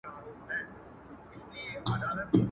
هر غزل مي په دېوان کي د ملنګ عبدالرحمن کې.